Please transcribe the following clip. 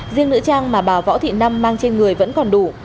riêng nữ trang mà bà võ thị năm mang trên người vẫn còn đủ